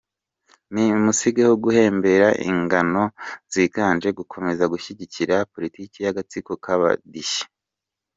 Ni musigeho guhembera inzangano, zigamije gukomeza gushyigikira politike y’agatsiko k’abidishyi.